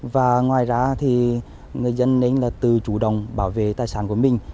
và ngoài ra thì người dân nên là từ chủ đồng bảo vệ tài sản của mình